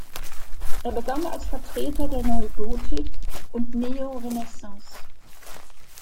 Er begann als Vertreter der Neugotik und Neorenaissance.